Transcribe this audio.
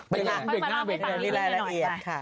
เป็นง่ายเป็นง่ายเป็นง่ายเป็นง่ายหลายรายละเอียดค่ะ